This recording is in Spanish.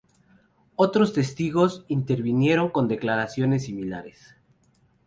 Otros testigos intervinieron con declaraciones similares.